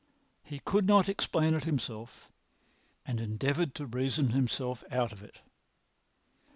He could not explain it himself, and endeavoured to reason himself out of it.